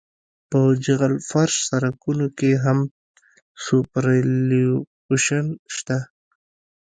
په جغل فرش سرکونو کې هم سوپرایلیویشن شته